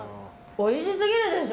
おいしすぎるでしょ！